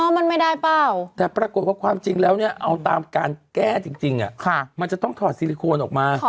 มันไม่ได้เปล่าแต่ปรากฏว่าความจริงแล้วเนี่ยเอาตามการแก้จริงมันจะต้องถอดซิลิโคนออกมา